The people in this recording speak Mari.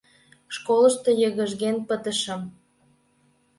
Школышто йыгыжген пытышым...